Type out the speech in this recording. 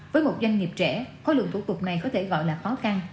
với một doanh nghiệp trẻ khối lượng thủ tục này có thể gọi là khó khăn